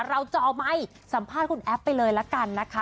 แล้วจะเอาใหม่สัมภาษณ์คุณแอฟไปเลยละกันนะคะ